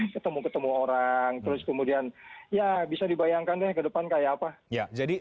ketemu ketemu orang terus kemudian ya bisa dibayangkan deh ke depan kayak apa